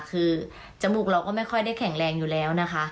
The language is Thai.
คือจมูกเราก็ไม่ค่อยได้แข็งแรงอยู่แล้วนะคะ